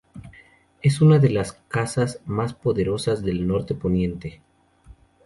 Es una de las casas más poderosas del norte de Poniente.